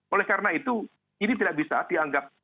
oleh karena itu ini tidak bisa dianggap